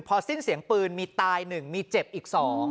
พอสิ้นเสียงปืนมีตาย๑มีเจ็บอีก๒